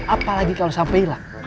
apalagi kalau sampel